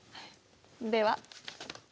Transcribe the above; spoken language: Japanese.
では。